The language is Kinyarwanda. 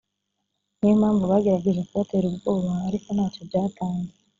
ni yo mpamvu bagerageje kubatera ubwoba ariko ntacyo byatanze